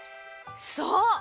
そう！